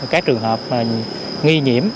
các trường hợp nghi nhiễm